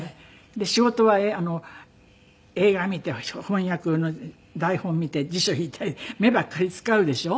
で仕事は映画見て翻訳の台本見て辞書引いたり目ばっかり使うでしょ。